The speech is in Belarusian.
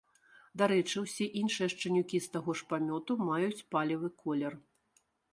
Дарэчы, усе іншыя шчанюкі з таго ж памёту маюць палевы колер.